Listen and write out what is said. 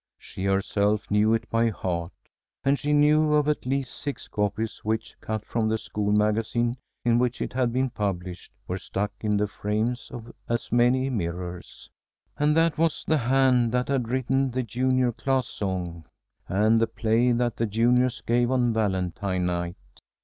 She herself knew it by heart, and she knew of at least six copies which, cut from the school magazine in which it had been published, were stuck in the frames of as many mirrors. And that was the hand that had written the junior class song and the play that the juniors gave on Valentine night.